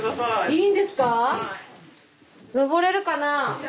登れるかなあ？